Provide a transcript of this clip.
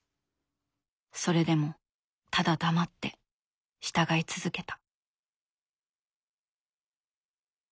それでもただ黙って従い続けた。